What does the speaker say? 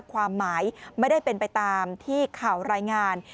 ความหมายไม่ได้เป็นไปตามที่ข่าวรายงาน